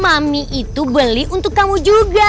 mami itu beli untuk kamu juga